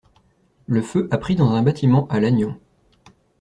Le feu a pris dans un bâtiment à Lannion.